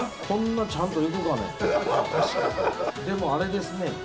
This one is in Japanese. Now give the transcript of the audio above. こんなちゃんといくかね。